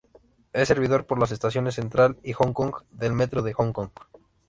Es servido por las estaciones Central y Hong Kong del Metro de Hong Kong.